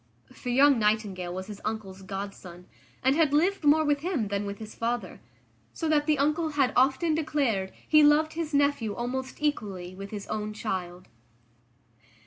For young Nightingale was his uncle's godson, and had lived more with him than with his father. So that the uncle had often declared he loved his nephew almost equally with his own child.